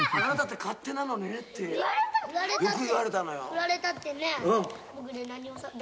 「言われたってね」